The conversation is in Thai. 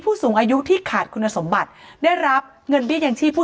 ผู้สูงอายุที่ขาดคุณสมบัติได้รับเงินเบี้ยยังชีพผู้